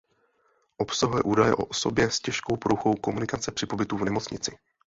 Obsahuje údaje o osobě s těžkou poruchou komunikace při pobytu v nemocnici.